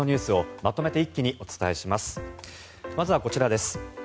まずは、こちらです。